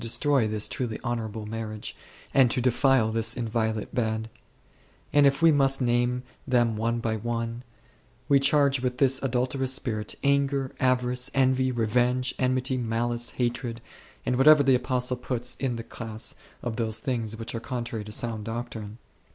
destroy this truly honourable marriage, and to defile this inviolate bed ; and if we must name them one by one, we charge with this adulterous spirit anger, avarice, envy, revenge, enmity, malice, hatred, and whatever the Apostle puts in the class of those things which are contrary to sound doctrine.